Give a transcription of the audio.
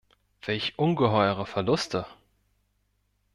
Welch ungeheure Verluste!